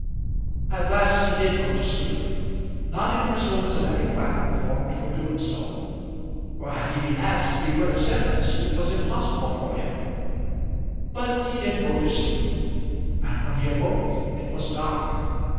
At last he did go to sleep, not in pursuance of any plan formed for doing so; for had he been asked he would have said that sleep was impossible for him. But he did go to sleep, and when he awoke it was dark.